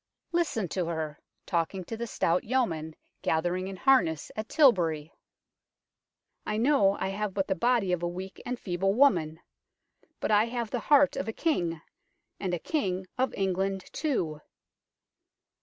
Listen to her, talking to the stout yeomen gathering in harness at Tilbury : "I know I have but the body of a weak and feeble woman ; but I have the heart of a King, and a King of England too